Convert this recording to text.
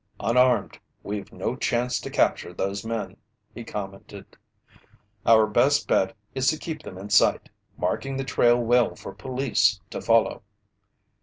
"Unarmed, we've no chance to capture those men," he commented. "Our best bet is to keep them in sight, marking the trail well for police to follow."